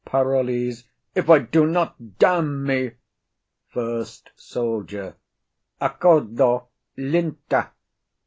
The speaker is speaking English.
PAROLLES. If I do not, damn me. FIRST SOLDIER. _Acordo linta.